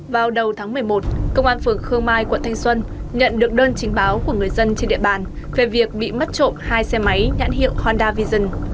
vào đầu tháng một mươi một công an phường khương mai quận thanh xuân nhận được đơn chính báo của người dân trên địa bàn về việc bị mất trộm hai xe máy nhãn hiệu honda vision